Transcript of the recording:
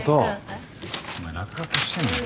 えっ？お前落書きしてんなよ。